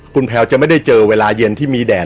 คุณแพลวจะไม่ได้เจอเวลาเย็นที่มีแดด